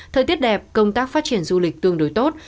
thời tiết đẹp công tác phát triển du lịch tương đối tốt